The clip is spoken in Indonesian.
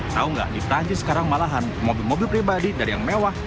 tahu nggak di perancis sekarang malahan mobil mobil pribadi dari yang mewah